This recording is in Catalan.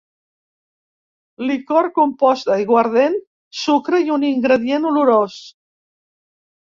Licor compost d'aiguardent, sucre i un ingredient olorós.